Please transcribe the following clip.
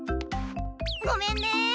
ごめんね。